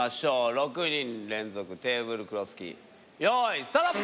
６人連続テーブルクロス引きよいスタート！